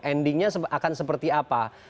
endingnya akan seperti apa